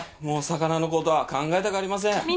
もう魚のことは考えたくありません。